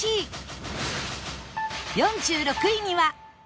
４６位には